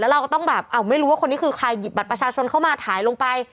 เราก็ต้องแบบไม่รู้ว่าคนนี้คือใครหยิบบัตรประชาชนเข้ามาถ่ายลงไป